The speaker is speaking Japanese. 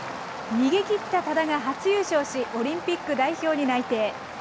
逃げきった多田が初優勝し、オリンピック代表に内定。